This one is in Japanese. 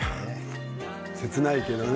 切ないけどね。